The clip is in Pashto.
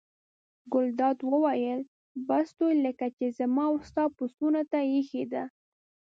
ګلداد وویل: بس دوی لکه چې زما او ستا پسونو ته اېښې ده.